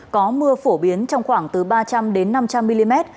có mưa phổ biến trong khoảng từ ba trăm linh đến năm trăm linh mm